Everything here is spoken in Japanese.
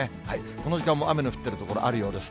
この時間も雨の降ってる所あるようです。